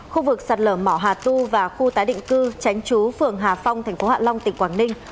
khu vực sạt lở mỏ hà tu và khu tái định cư tránh trú phường hà phong tp hạ long tỉnh quảng ninh